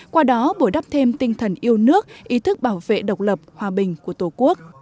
qua đó bổ đắp thêm tinh thần yêu nước ý thức bảo vệ độc lập hòa bình của tổ quốc